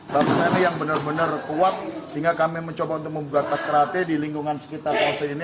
bahwa saya ini yang benar benar kuat sehingga kami mencoba untuk membuka kastrate di lingkungan sekitar kosong ini